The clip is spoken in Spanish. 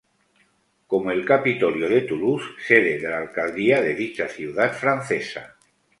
Como el Capitolio de Toulouse, sede de la alcaldía de dicha ciudad francesa.